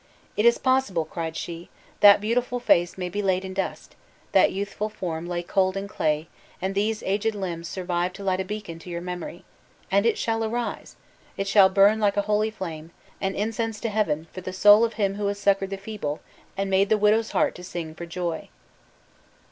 "Is it possible," cried she, "that beautiful face may be laid in dust, that youthful form lay cold in clay, and these aged limbs survive to light a beacon to your memory! and it shall arise! it shall burn like a holy flame, an incense to Heaven for the soul of him who has succored the feeble, and made the widow's heart to sing for joy!"